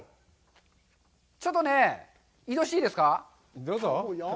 ちょっとね、移動していいですか？